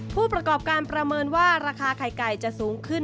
ผู้ประกอบการประเมินว่าราคาไข่ไก่จะสูงขึ้น